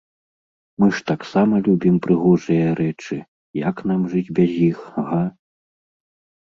Мы ж таксама любім прыгожыя рэчы, як нам жыць без іх, га?